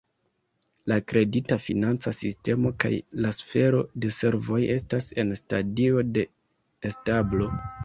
La kredita-financa sistemo kaj la sfero de servoj estas en stadio de establo.